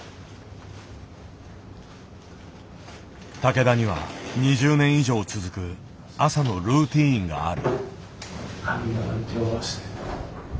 竹田には２０年以上続く朝のルーティーンがある。